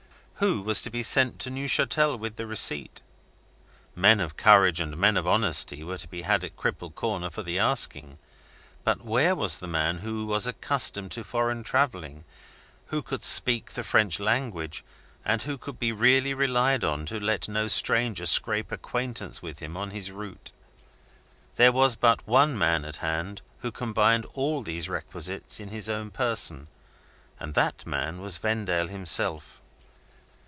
Who was to be sent to Neuchatel with the receipt? Men of courage and men of honesty were to be had at Cripple Corner for the asking. But where was the man who was accustomed to foreign travelling, who could speak the French language, and who could be really relied on to let no stranger scrape acquaintance with him on his route? There was but one man at hand who combined all those requisites in his own person, and that man was Vendale himself.